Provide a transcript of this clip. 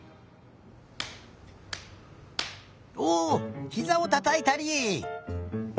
おおひざをたたいたり。